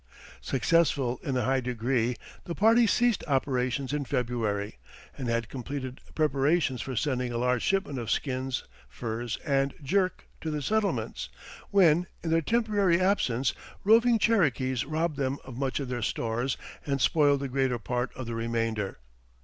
Successful in a high degree, the party ceased operations in February, and had completed preparations for sending a large shipment of skins, furs, and "jerk" to the settlements, when, in their temporary absence, roving Cherokees robbed them of much of their stores and spoiled the greater part of the remainder.